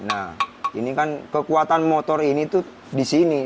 nah ini kan kekuatan motor ini tuh di sini